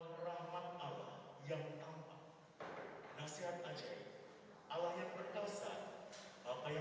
meramat allah yang tampak nasihat ajaib allah yang berkawasan